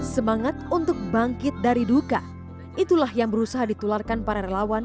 semangat untuk bangkit dari duka itulah yang berusaha ditularkan para relawan